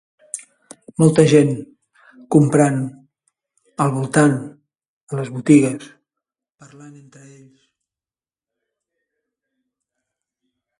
Molta gent comprant al voltant de les botigues, parlant entre ells.